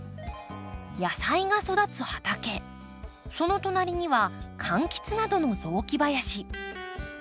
野菜が育つ畑その隣には柑橘などの雑木林。